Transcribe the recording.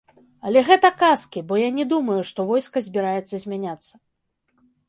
Але гэта казкі, бо я не думаю, што войска збіраецца змяняцца.